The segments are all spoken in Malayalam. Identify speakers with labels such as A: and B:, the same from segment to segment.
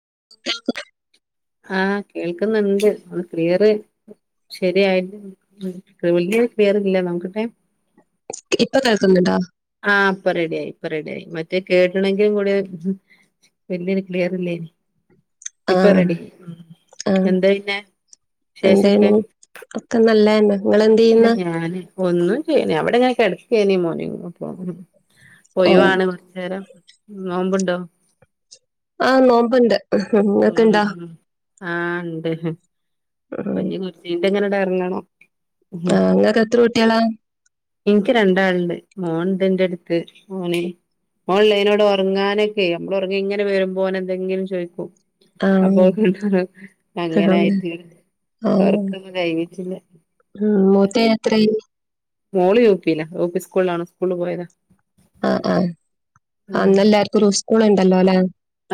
A: [unintelligible]
B: ആ കേൾക്കുന്നുണ്ട് നന്ന് ക്ലിയറ് ശരിയായിട്ട് വല്യ ക്ലിയറില്ല നമുക്കട്ടെ
A: ഇപ്പൊ കേൾക്കുന്നുണ്ടോ
B: ഇപ്പ റെഡിയായി ഇപ്പ റെഡിയായി മറ്റേ കേട്ടണമെങ്കിലും കൂടെ വല്ലിയന് ക്ലിയർ ഇല്ല ഇപ്പൊ റെഡി
A: ആ
B: എന്താ പിന്നെ
A: എന്തും ഒക്കെ നല്ലതന്നെ നിങ്ങളെന്ത്
B: ഒന്നും ഇല്ല
A: ചെയ്യുന്ന്
B: ഞാന് ഒന്നും ചേന അവിടെ നക്ക അടുത്ത്ണീ മോ പോ ഇപ്പൊ
A: ഓ
B: ഒഴിവാണ് കോർച്ചരം നോമ്പുണ്ടോ
A: ആഹ നോമ്പുണ്ട് ഇങ്ങക്ക് ഇണ്ടാ
B: ആ ഇണ്ട് ഇപ്പൊ
A: ഉം
B: ഇ കുറച്ചന്റെ എങ്ങനെട ഇറങ്ങണം
A: ആങ്ങക്കെ എത്ര കൂട്ടികളാ
B: എനിക്ക് രണ്ടാളുണ്ട് മോൻ ഇണ്ട് ഇന്റെ അടുത്ത് മോന ഓൺലൈനോട് ഉറങ്ങാനൊക്കെ നമ്മൾ ഉറങ്ങി ഇങ്ങനെ വരുമ്പോനെ എന്തെങ്കിലും ചോദിക്കോ
A: ആഹ്
B: അപ്പൊ കണ്ടോ
A: ആഹ്
B: അങ്ങനയിട്ട്
A: ആഹ്
B: അവർക്കൊന്നും കയിഞ്ഞിട്ടില്ല
A: ഉം മൂത്ത എത്ര യായി
B: മോള് യു പില്ല യു പി സ്കൂളിലണ് സ്കൂളിൽ പോയത്
A: ആഹ് അ എല്ലാർക്കും ഒരു സ്കൂൾ ഇണ്ടല്ലോ അല്ലെ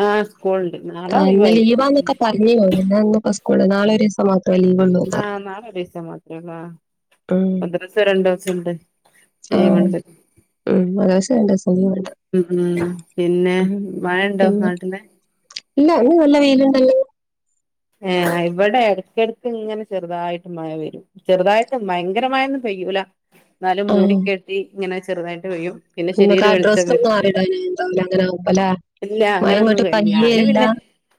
B: ആഹ് സ്കൂളുണ്ട് നാളെ
A: ആ ഇന്ന്
B: ഒഴിവായിരിക്കും
A: ലീവന്നൊക്കെ പറഞ്ഞോ എന്ന പൂ നാളെ ഒരു രിവസമാ
B: ആ നാളെ ഒരു ദിവസ മാത്രള്ള
A: ഉം
B: ഒന്ന് ദിവസം രണ്ടു ദിവസുണ്ട്
A: ആഹ്
B: ലീവുണ്ട്
A: ഉം മദ്രസ രണ്ട് ദിവസം ലീവുണ്ട്
B: ഉം പിന്നെ
A: ഉം
B: മഴുണ്ടോ
A: പിന്നെ
B: നാട്ടൽ
A: ഇല്ല നല്ല വെയിൽണ്ടല്ലോ
B: ഏ ഇവിടെ ഇടക്കിടക്ക് ഇങ്ങനെ ചെറുതായിട്ട് മഴ വരും ചെറുതായിട്ട് ഭയങ്കര മഴൊന്നും പെയ്യൂല എന്നാലും മൂടി
A: ആഹ്
B: കെട്ടി ഇങ്ങനെ ചെറുതായിട്ട് വ്യും
A: നിങ്ങക്ക് അഡ്രസ് ഒും മാറിട അ എന്താവല അങ്ങനൊവ്പ അല്ലെ
B: ഇല്ല
A: മഴ ഇങ്ങോട്ട്
B: അങ്ങനെയൊന്നുംില്ല
A: പയ്യേ
B: ഞാന്
A: ഇല്ല
B: പിന്നെ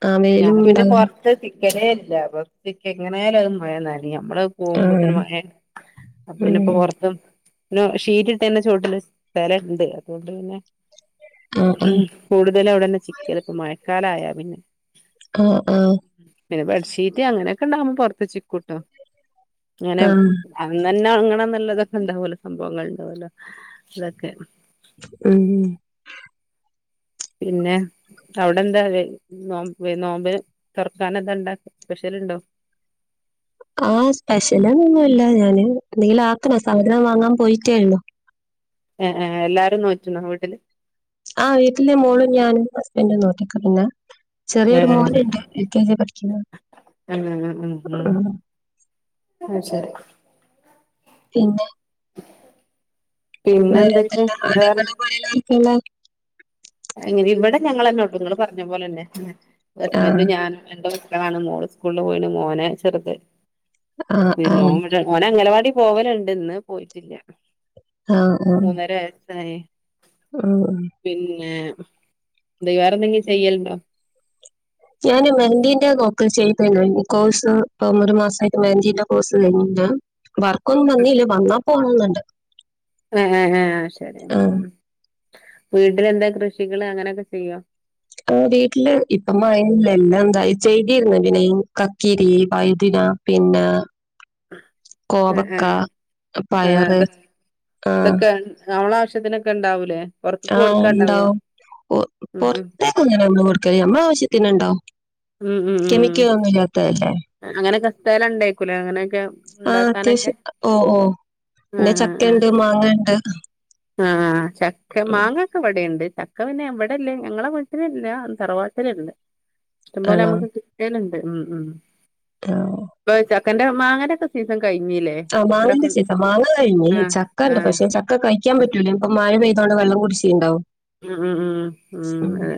A: ആ വെയിലും
B: ഞാൻ പിന്നെ
A: ഉണ്ടാവൂല
B: പുറത്ത് ിക്കലേ പോർത്തിക്കിയാൽ എങ്ങനെയായാലും അത്ും മഴ നഞമ്മള്
A: ആ
B: പോകുമ്പോത്തന് മഴ അപ്പൊ
A: ഉം
B: ഇതിനിപ്പൊ പുറത്തും പി ഷീറ്റ ഇട്ട തന്നെ ചോട്ടില് സ്ല ഇണ്ട് അതുകൊണ്ട് തന്നെ
A: ആ
B: ഉം
A: ആ
B: കൂടുതല അവിടെന്നെ ചിക്കൽ ഇപ്പ മഴക്കാലയാ പിന്നെ
A: ആ ആ
B: പിന്നെ ബെഡ്ഷീറ്റ് അങ്ങനെയൊക്കെ ഉണ്ടാവുമ്പോ പുറത്ത ചിക്കൂട്ടോ അങ്ങനെ
A: ആ
B: പിന്നെ അങ്ങനെ നല്ലതൊക്കെ ഇണ്ടാവലോ സംഭവങ്ങൾ ഇണ്ടാവലോ ഇതൊക്കെ
A: ഉം
B: പിന്നെ അവിടെ എന്താ നോ നോമ്പന് തുറക്കാന എന്താ ഇണ്ടാക്ക പക്ഷെ ണ്ടോ
A: [inaudible] ആ സ്പെഷ്യലന്നൊന്നുമല്ല ഞാന് എന്തെങ്കും ആകാണ സാധനം വാങ്ങാൻ പോയിട്ടേള്ളു
B: എ എ എല്ലാരും നോറ്റിന്നോ വീട്ടില്
A: ആ വീട്ടിലെ മോളും ഞാനും ഹസ്ബൻഡ നോട്ടിക്ക പിന്നെ
B: ഏ
A: ചെറിയൊരു
B: ഏ
A: മോൾ ണ്ട് എൽ കെ ജി പഠിക്കുന്നു
B: ഉം ഉം ആ ശരി
A: പിന്നെ
B: പിന്നെ എന്തൊക്കെ
A: വേറെന്തെല്ല
B: എന്താ
A: ആടങ്ങൾ പോലലായിക്കുള്ള
B: അങ്ങനെ ഇവിടെ ഞങ്ങന്നെ ഉള്ളു നിങ്ങള് പറഞ്ഞ പോലെന്നെ
A: ആ
B: അസ്ബന്റും ഞാനും എണ്ടോ മോ സ്കൂളിൽ പോയി മോനെ ചെറുത്
A: ആ ആ
B: പിന്നെ
A: ആ
B: ഓനെ അംഗനവാ ടി പോവലുണ്ട് ഇന്ന് പോയിട്ടില്ല
A: ആ ആ
B: ത
A: ആഹ്
B: പിന്നെ എന്ത വേറെ എന്തെങ്കിലും ചെയ്യലണ്ടോ
A: ഞാന് മെന്ന്തീന്റെ നോക് ചെയ്യ ന്ന ഈ കോഴ്സ് ഇ ഒരു മാസമായിട്ട് വേതിന്റെ കോഴ്സ് തന്നണ്ട് വർക്കൊന്നും തന്നീല്ല വന്നാ പോണ എന്നുണ്ട്
B: എ ഏ ശരി ഉം വീട്ടിലെന്താ കൃഷികള് അങ്ങനൊക്കെ ചെയ്യോ
A: ക ആ വീട്ടില് ഇപ്പ മഴനല്ല എല്ലാം എന്താ ചെയ്തിരരുന്നു പിന്നെ കക്കിരി വൈതിരി ആ പിന്നെ
B: ആ ആ
A: കോവക്ക
B: ആ
A: പയറ്
B: അത്
A: ആ
B: ഭക്ഷത്തിനൊക്കെ ഇണ്ടാവൂലേ പുറത്ക്ക് കൊടുക്കാന്ണ്ടാവോ
A: പു പുറത്തേക്ക ഇങ്ങനെ നമ്മൾ കൊടുക്കല് നമ്മലെ ആവശ്യത്തിനന്ണ്ടാവ കെമിക്കലോന്നും ഇല്ലാത്തെ.
B: അങ്ങനെയൊക്കെ സ്ഥലം ഉണ്ടേയ്ക്കൂലെ അങ്ങനെയൊക്കെ
A: ആ
B: ഉണ്ടാക്കാനൊക്കെ.
A: അത്യാവശ്യം ഓ ഓ പിന്നെ ചക്കണ്ട് മാങ്ങ ഇണ്ട്
B: ആഹ് ചക്ക മാങ്ങ ഒക്കെ ഇവിടെണ്ട്. ചക്ക പിന്നെ ഇവടെല്ല ഞങ്ങളെ വീട്ടിലില്ല തറവാട്ടിലുണ്ട്. ഇഷ്ടം പോലെ
A: ആണോ
B: നമുക്ക് കിട്ടലണ്ട് ഉം ഉം
A: ആ
B: ഇപ്പൊ ചക്കന്റെ മാങ്ങേന്റോക്കെ സീസൺ കഴിഞ്ഞില്ലേ
A: ആഹ് മാങ്ങന്റെ
B: ഇവിടൊക്കെ
A: സീസൺ മാങ്ങ കഴിഞ്ഞ്
B: ആ
A: ചക്ക
B: ആ
A: ഉണ്ട് പക്ഷെ ചക്ക കഴിക്കാൻ പറ്റ് റ്റൂലെ മഴ പെയ്തോണ്ട് വെള്ളം കുടിച്ചിണ്ടാവും.
B: ഉം ഉം ഉം അതെ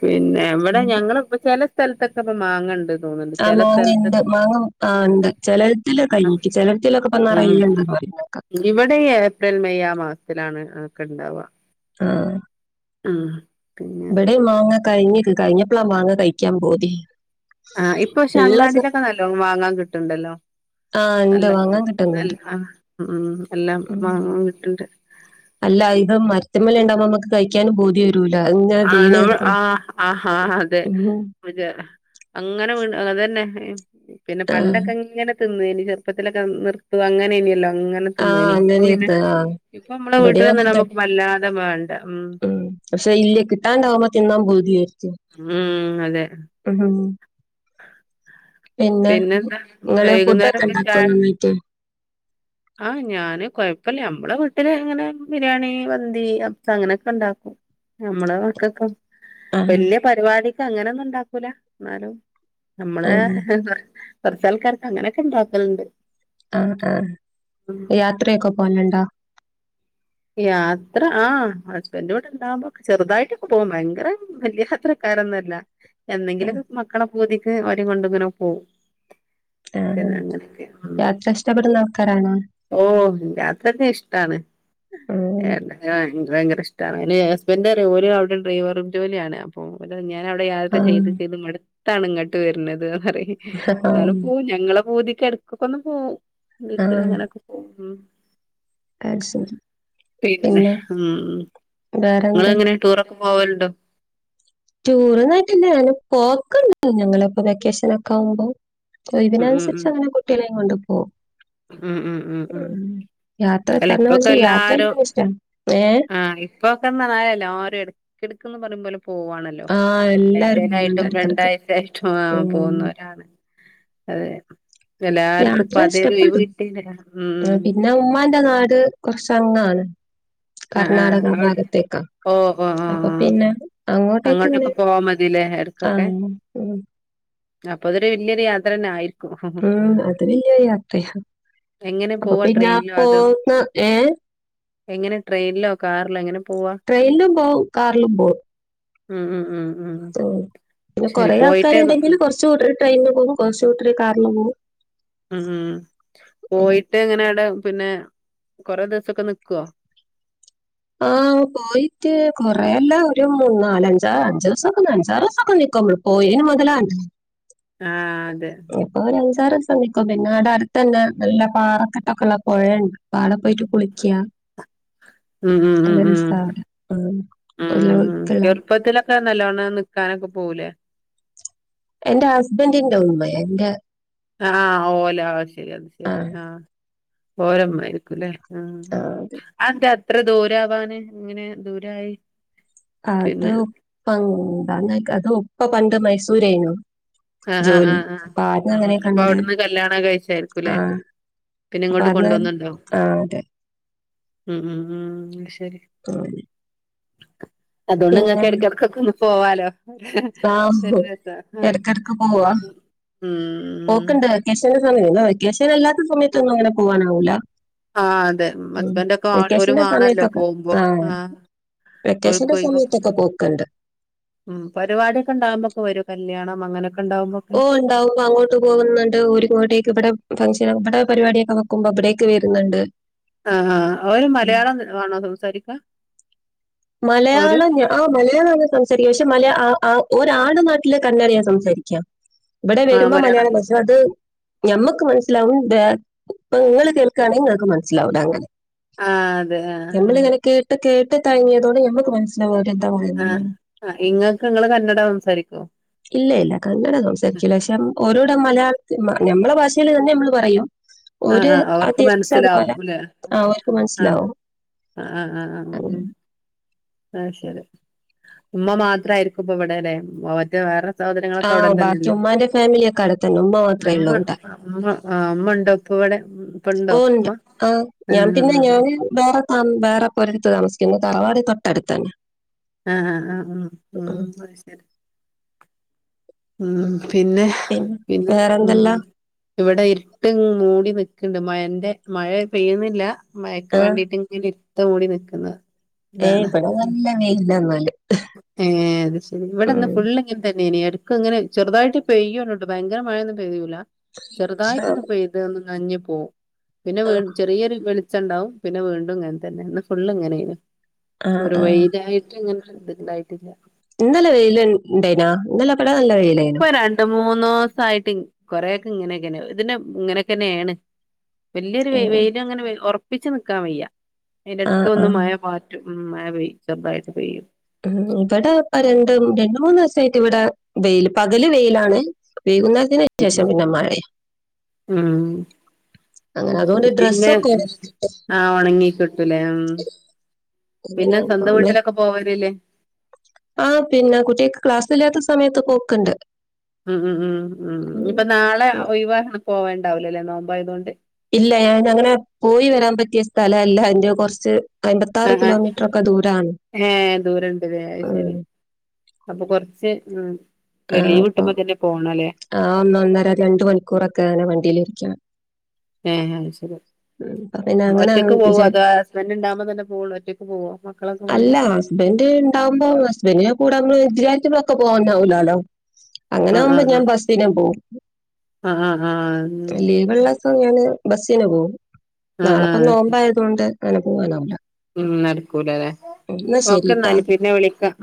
B: പിന്നെ ഇവിടെ ഞങ്ങളിപ്പ ചെല സ്ഥലത്തൊക്കെ ഇപ്പം മാങ്ങണ്ട്. തോന്നുന്നുണ്ട്
A: ആ
B: ചില
A: മാങ്ങ ഇണ്ട്
B: സ്ഥലത്തൊക്കെ
A: മാങ്ങ ആ ഇണ്ട് ചെലതിലെ
B: ആ
A: കഴിഞ്ഞു ചെലത്തിലൊക്കെ ഇപ്പം
B: ഉം
A: നറയെ ഇണ്ട് പറഞ്ഞു
B: ഇവിടെ ഏപ്രിൽ മെയ് ആ മാസത്തിലാണ് ഒക്കെ ഇണ്ടാവുക
A: ആ
B: മ്
A: ഇവിടെ മാങ്ങ കഴിഞ്ഞി കഴിഞ്ഞപ്പളാ മാങ്ങ കഴിക്കാൻ പൂതി
B: ആഹ് ഇപ്പ പക്ഷെ
A: ഉള്ള സ
B: അങ്ങാടിലൊക്കെ നല്ലോണം വാങ്ങാൻ കിട്ടുണ്ടല്ലോ
A: ആ ഉണ്ട്
B: നല്ല
A: വാങ്ങാൻ
B: നല്ല
A: കിട്ടുന്നുണ്ട്
B: ഉം എല്ലാം
A: ഉം
B: വാങ്ങാൻ കിട്ടണ്ട്
A: അല്ല ഇത് മരത്തുംമേലെ ഇണ്ടാവുമ്പോ നമുക്ക് കഴിക്കാനും പൂതി വരും
B: ആ നമ്മൾ ആഹ ആഹ് ആഹ് അതെ
A: ഉം.
B: അങ്ങനെ വീണു അത് തന്നെ പിന്നെ
A: ആ
B: പണ്ടൊക്കെ ഇങ്ങനെ തിന്നോനി ഇനി ചെറുപ്പത്തിലൊക്കെ നിർത്തുവാ അങ്ങനെ ഇല്ലല്ലോ അങ്ങനെ
A: ആ
B: തിന്നെനെ ഇപ്പൊ പിന്നെ-
A: അങ്ങനെയായിരുന്നു ആ
B: ഇപ്പൊ നമ്മടെ
A: ഇവിടെ
B: വീട്ടിലൊന്നും
A: അങ്ങനെ തന്നെ
B: നമ്മുക്ക് വല്ലാതെ വേണ്ട ഉം
A: കിട്ടാണ്ട് ആവുമ്പോ തിന്നാൻ പൂതിയായിരിക്കും
B: ഉം അതെ പിന്നെ എന്താ
A: നിങ്ങള്
B: വൈകുന്നേരം
A: ഫുഡൊക്കെ ഉണ്ടാക്കോ
B: കിട്ടാൻ
A: നന്നായിട്ട്
B: ആഹ് ഞാന് കൊഴപ്പില്ല നമ്മടെ വീട്ടില് എങ്ങനെ ബിരിയാണി മന്തി അങ്ങനെ ഒക്കെഉണ്ടാക്കും അങ്ങനെയൊക്കെ ഒണ്ടാക്കും ഞമ്മടെ മക്കക്കും
A: ആഹ്
B: വല്യ പരിപാടിക്ക് അങ്ങനെയൊന്നും ഇണ്ടാക്കൂല എന്നാലും നമ്മടെ
A: ഉം
B: - കൊറച്ചാൾക്കാർക്ക് അങ്ങനെയൊക്കെ ഉണ്ടാക്കലുണ്ട്
A: ആഹ് ആഹ
B: ഉം
A: യാത്രയൊക്കെ പോനുണ്ടോ
B: യാത്ര ആ ഹസ്ബൻഡ് ഇവിടെ ഉണ്ടാകുമ്പോ ചെറുതായിട്ടൊക്കെ പോകും ഭയങ്കര വല്യ യാത്രക്കെ- അങ്ങനെ ഒന്നും ഇല്ല എന്നെങ്കിലും മക്കളെ പൂതിക്ക് അവരെകൊണ്ട് ഇങ്ങനെ പോവും
A: ആ
B: പിന്നെ അങ്ങനെയൊക്കെ ഉം
A: യാത്ര ഇഷ്ടപ്പെടുന്ന ആൾക്കാരാണോ
B: ഓ യാത്രൊക്കെ ഇഷ്ടാണ്
A: ഉം
B: എ എക്ക് ഭയങ്കര ഇഷ്ടാണ് ഹസ്ബൻഡ് പറയും ഓര് അവിടെ ഡ്രൈവർ ജോലിയാണ് അപ്പൊ ഞാൻ അവിടെ യാത്ര
A: ആഹ്
B: ചെയ്ത് ചെയ്ത് മടുത്തു ത്താണ് ഇങ്ങെട്ട് വെര്നെത് പറിം ഇന്നാലും
A: ആഹ്
B: പോവും ഞങ്ങളെ പൂതിക്ക് എടക്കൊക്കെ ഒന്ന് പോവും വെള്പ്പിൽ അങ്ങനൊക്കെ പോവും
A: അയ് ശെരി
B: പിന്നെ ഉം ഇങ്ങെൾ
A: വേറെന്താ
B: എങ്ങനെ ടൂറൊക്കെ പോവൽ ഇണ്ടോ?
A: ടൂറ് ഒന്നും ആയിട്ട് ഇല്ല അങ്ങനെ പോക്ക് ഇണ്ട് ഞങ്ങളിപ്പോ വെക്കേഷെൻ ഒക്കെ ആവുമ്പോ ഒഴിവിന്
B: ഉം ഉം
A: അൻസെര്ച്ച്
B: ഉം
A: അങ്ങെനെ കുട്ടിയെളം കൊണ്ട് പോവും ഉം യാത്ര
B: അല്ല
A: ഇപ്പർണ
B: ഇപ്പൊക്കെ
A: മാതിരി യാത്ര ചെയ്യാന് ഇഷ്ടാണ് ഏഹ്
B: ഇപ്പൊക്കെന്ന് പർണാൽ എല്ലാരും എട്ക്ക് എട്ക്ക്ന്ന് പറിമ്പോലെ പോവാ ആണല്ലോ
A: ആഹ് എല്ലാരും പോകുന്നുണ്ട്
B: ആഴ്ച്ചെലായിട്ടും രണ്ട്
A: എടക്കെടക്ക്
B: ആഴ്ച്ചായിട്ടും ആ
A: ഉം
B: പോവുന്നോരാണ് അതെ എല്ലാര്ക്കും ഇപ്പ അതെ
A: പ്പായിട്ടും പിന്നെ ഉമ്മാന്റെ നാട് കൊർച്ച് അങ്ങാണ്
B: ആഹ് ആഹ് ഓളെ വീട്ടി ഓ ഓ ഓ
A: അപ്പൊ
B: ആഹ്
A: പിന്നെ അങ്ങോട്ടേക്ക് ഇങ്ങനെ
B: അങ്ങോട്ടൊക്കെ പോവാ മതിലെ
A: ആ
B: എട്ക്കൊക്കെ
A: ഉം
B: അപ്പ അതൊര് വെല്ല്യ ഒര് യാത്രയെന്നെ ആയിരിക്കും
A: ഉം അത് വെല്ല്യ ഒര് യാത്രയാ
B: എങ്ങനെ
A: അപ്പൊ
B: പോവാ
A: പിന്നെ
B: ട്രെയിനിലോ അതോ
A: പോന്ന ഏ
B: എങ്ങനെ ട്രെയിനിലോ കാറിലോ എങ്ങനെ പോവാ
A: ട്രെയിനിലും പോവും കാറിലും പോവും
B: ഉം ഉം ഉം ഉം
A: പിന്നെ
B: ശരി
A: കൊറെേ
B: പോയിട്ട്
A: ആൾക്കാാര്ണ്ടെങ്കില് കുറച്ച കൂടെ് ട്രൈ പോും കുശ ഒത്തിരി കാരണമാവും
B: ഉം പോയിട്ട് എങ്ങനെടെ പിന്നെ കൊറെേ ദിവസൊക്കെ നക്കുവോ
A: ആഹ പോയിട്ട് കൊറേല്ല ഒരു മൂന്ന നാലഞ്ച അഞ്ചു ദിവസൊക്കെ അഞ്ചാറ് ദിവസൊക്കെ നക്കൾ പോയി എ മുതലാണ്ട
B: ആഹ
A: എപ്പോ ആ സമിക്കും പിന്നെ ആടെ അടുത്ത് തന്നെ നല്ല പാറക്കെട്ടൊക്കെ ഉള്ള പുഴയുണ്ട് അപ്പ അവിടെ പോയിട്ട് കുളിക്കുക
B: ഉം ഉം ഉം
A: നല്ല
B: ഉം
A: രസാ അവിടെ. ഉം.
B: ഉം
A: ഉള്ള
B: ഉ ഉ
A: ഒഴുക്കുള്ള
B: സ്ൾപത്തില്ല നല്ലോണ്ണം നിക്കാനൊക്കെ പോകൂലേ
A: എന്റെ ഹസ്ബൻറിിന്റെ ഉമ്മ എന്റെ
B: ആഹ ഓല ശരിയത്
A: ആ
B: ശരി ആഹ ഓരമ്മ ആരിക്കുംല്ലേ ആ അന്റെ അത്ര ദൂരവാാന് ഇങ്ങനെ ദൂരായി
A: അത്
B: പിന്നെ
A: പന്താ അത് ഒപ്പ പണ്ട് മൈസൂരനു
B: ആഹ ആ് ആഹ് ആ ഉ അപ്പൊ
A: കണ്ട്
B: അവിടുന്ന് കല്യാണം
A: ആ
B: കഴിച്ചായിരിക്കൂല്ലെ പിന്നെ
A: അപ്പൊ
B: ഇങ്ങോട്ട്
A: അന്ന്
B: കൊണ്ടുവന്നണ്ടോ
A: ആ അതെ
B: ഉ ഉ ഉ
A: ആ
B: അതുകൊണ്ട് ഇങ്ങക്കിടക്കിടക്കൊക്കെ ഒ പോവാാലോ അ
A: ആ
B: ബര രസ ആഹ
A: ഇടക്കിടക്ക് പോവാ പോക്കണ്ട് കശ സമയോ വെക്കേഷൻ അല്ലാത്ത സമയത്തൊന്നും അങ്ങനെ പോകാനാവൂില്ല
B: ആ അതെ ഹസ്ബൻറ് ഒക്കെ ഒരു വണല്ലോ
A: സമയത്തൊക്കെ
B: പോകുമ്പോ
A: ആ
B: ആഹ
A: വെക്കേഷന്റെ സമയത്തൊക്കെ പോക്കുണ്ട്
B: ഉം പരിപാടിൊക്കെ ഉണ്ടാകുമ്പോക്കെ വരും കല്യാണം അങ്ങനെ
A: ഓ ഉണ്ടാവും അങ്ങോട്ട് പോകുന്നുണ്ട് ഒരുങ്ങോട്ടേക്ക് ഇവിടെ ഫംഗ്ഷൻ അവിടെ പരിപാടൊക്കെക്കുമ്പോ അവിടെയൊക്കെ വരുന്നുണ്ട്
B: ആഹ അവര്
A: ഉം.
B: മലയാളം വണോ സംസാരിക്ക
A: മലയാളം ആ മലയാള സംസാരിക്ക പക്ഷെ മല ഒരാട് നാട്ടിലെ കണന ഞാൻ സംസാരിക്കാം ഇവിടെ വരുമ്പോ മലയാളം ഭഷ അത് ഞമ്മക്ക് മനസ്സിലാവും ഇപ്പൊ നിങ്ങൾ കേൾക്കുകയാണെങ്കിൽ നിങ്ങക്ക് മനസ്സിലാവൂ അങ്ങനെ
B: ആഹ് അതെ ആഹ്
A: നമ്മളിങ്ങനെ കേട്ട് കേട്ട് തങ്ങിയതോടെ നമ്മക്ക് മനസ്സിലാവാും
B: ആഹ് ഇങ്ങൾക്ക് നിങ്ങള് കന്നട സംസാരിക്കുവോ
A: ഇല്ല ഇല്ല കന്നഡം സംസാരിക്കില്ല പക്ഷെ ഓരോട മലയാളത്തി നമ്മുടെ ഭാഷൽ തന്നെ നമ്മള് പറയും
B: ആഹ്
A: ഒരു
B: ആഹ് അവർക്ക്
A: അത്
B: മനസ്സിലാവും
A: അതുപോലെ ആ് അവക്ക് മനസ്സിലാവോ
B: ആഹ ആഹ് ഉ ആഹ ശരി ഉമ്മ മാത്രായിരിക്കുമ ഇ്പൊ ഇവിടെല്ലെറ്റ വേറെ സാധനങ്ങളൊക്കെ അവിട
A: ആഹ് ബാക്കി ഉമ്മാന്റെ ഫാമിലിയൊക്കെ അടുത്തന്നെ ഉമ്മ മാത്രേ ഉള്ളൂ
B: തന്നെല്ലേമ്മമ്മ
A: ഇവിടെ.
B: അമ്മ ഉണ്ടോപ്പ ഇവിടെ പണ്ടോ
A: ഓഹ് ഉണ്ട് ആ വേറെപ്പ ഒരിടുത്ത് താമിക്കുന്നത് തറവാടി തൊട്ടടുത്ത തന്നെ
B: ആഹ ആ് ഉ ഉ അ ശരി ഉം പിന്നെ പിന്നെ ഉ ഇവിടെ ഇരുട്ട് മൂടി ന ണ്ട് മഴന്റെ മഴ പെയ്യുന്നില്ല മഴക്ക്
A: ആഹ്
B: വേണ്ടിട്ട് ഇങ്ങ ഇത്ത മൂടി നൽക്കുന്നത്
A: ഏ ഇവിടെ നല്ല വെയിന്നാലും
B: ഏ അത് ശരി ഇവിടെന്ന് ഫുൾ ഇങ്ങനത്തെ നി നി എടുക്ക്‌ങ്ങനെ ചെറുതായിട്ട് പെയ്യൊണുട്ടോ ഭയങ്കര മഴയൊന്നും പെയ്യൂല
A: ആഹ്
B: ചെറുതായ്ട്ടൊന്ന് പെയ്ത് ഒന്ന് ന്നഞ് പോവും പിന്നെ
A: ആഹ്
B: വീണ്ട് ചെറിയൊരു വെളി- ച്ചംഇണ്ടാവും പിന്നെ വീണ്ടും ഇങ്ങൻതന്നെ ഇന്ന് ഫുള്ള് ഇങ്ങനേണ്
A: ആഹ്
B: ഇവ്ടെ
A: ആഹ്
B: വെയ്ലായ്റ്റ്ങ്ങനൊര്ത് ഇണ്ടായ്ട്ടില്ല
A: ഇന്നലെ വെയ്ല് ഇണ്ടയ്നാ ഇന്നലെ ഇവിടെ നല്ല വെയിലേനു
B: ഇപ്പ രണ്ട് മൂന്ന് ന്നൂസായിട്ട് ഇങ്ങ് കൊറെഒക്കെ ഇങ്ങനെയൊക്കെന്നെ ഇതിനമ് ഇങ്ങനൊക്കെന്നെണ് വല്ല്യോര് വെയ്ല്
A: ഏഹ്
B: വെയ്ലങ്ങനെവരു ഒറപ്പിച്ച് നിക്കാൻ വയ്യ
A: ആഹ്
B: ഇടക്കൊന്ന്
A: ആഹ്
B: മയ പാറ്റും ഉം മയ പെയ്യും ചെറുതായിട്ട് പെയ്യും
A: ഉ ഇവിടെ പരണ്ടും രണ്ട് മൂന്നീസായിട്ട് ഇവിടെ വെയിൽ പകല് വെയിലാണ് വൈകുംനേരത്തിന് അത്യാവശ്യം പിന്നെ മഴേമ്
B: ഉം പിന്നെ ആഹ ഒണങ്ങിക്കിട്ടൂലേ ഉം
A: അങ്ങനെ
B: പിന്നെ സ്വന്തം
A: നമ്മള്
B: വീട്ടിലൊക്കെ പോവരില്ലേ
A: ആ പിന്നെ കുട്ടേക്ക് ക്ലാസ്സില്ലാത്ത സമയത്ത് പോക്ക്‌ണ്ട്
B: ഉം ഉം ഉം ഉം ഇനിപ്പ ന്നാളെ
A: ഉം.
B: ഒയ് വായൊണ്ട് പോവ്ണ്ടാവുലല്ലേ നോമ്പായതുകൊണ്ട്
A: ഇല്ല ഞാൻ അങ്ങനെ പോയി വരാൻ പറ്റിയസ്ഥലല്ല എന്റെ കൊറച്ച്
B: ആ
A: അയ്മ്പത്താറ്
B: ആ
A: കിലോമീറ്ററൊക്കെ ദൂരാണ്
B: ഏ ദൂരണ്ട്ല്ലേ അത്
A: ഉ
B: ശരി അപ്പൊ കൊറച്ച് മ്
A: ആ അപ്പൊ ആ ഒന്ന് ഒന്നര രണ്ട് മണിക്കൂറൊക്കെ അങ്ങനെ വണ്ടിലിരിക്കണം
B: ഏഹ് ഐശെര്യാ
A: അപ്പൊ പിന്നെ അങ്ങനെ അങ്ങ്
B: ഒറ്റക്ക് പോവോ
A: വിചാരി
B: അതോ ഹസ്ബൻഡ് ഇണ്ടാവുമ്പതന്നെ പോവുള്ളു ഒറ്റക്ക് പോവോ മക്കളൊക്കെ കൊണ്ട്
A: എന്റെ ഇണ്ടാവുമ്പോ ഹസ്ബന്റിന്റെ കൂടെ നമ്മള് വിചാരിച്ചപ്പളൊക്ക പോവാനാവൂലാലോ
B: ആ ആ
A: അങ്ങനാവുമ്പോ ഞാൻ ബസ്സിനം പോവും
B: ആ ആ ആ ആ ഉം
A: ലീവുള്ള സമയമാണേ ബസ്സിന് പോവും
B: ആ ആ
A: നാളപ്പ നോമ്പായതോണ്ട് അങ്ങനെ പോവാനാവുല്ല
B: ഉം നടക്കൂലാലേ
A: ശരി
B: ഓക്കെ എന്നാല്
A: ട്ടാ
B: പിന്നെ വിളിക്കാം